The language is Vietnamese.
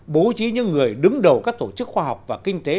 bố trí những người đứng đầu các tổ chức khoa học và kinh tế